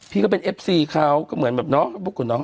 พี่เขาก็เหมือนแบบน้องพวกคุณน้อง